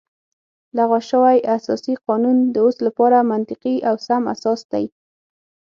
لغوه شوی اساسي قانون د اوس لپاره منطقي او سم اساس دی